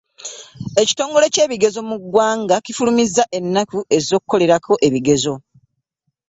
Ekitongole ky'ebigezo mu ggwanga kifulumizza ennaku ez'okukolerako ebigezo